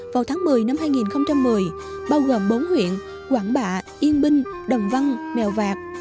vào tháng một mươi năm hai nghìn một mươi bao gồm bốn huyện quảng bạ yên binh đồng văn mèo vạc